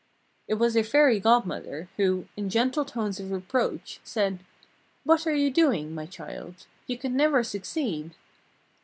It was her Fairy Godmother, who, in gentle tones of reproach, said: "What are you doing, my child? You can never succeed!"